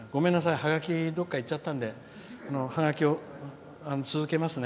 ハガキ、どっかいっちゃったんでハガキを続けますね。